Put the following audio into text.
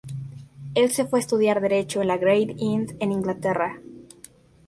Él se fue a estudiar Derecho en la "Gray Inn" en Inglaterra.